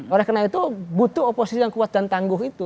oleh karena itu butuh oposisi yang kuat dan tangguh itu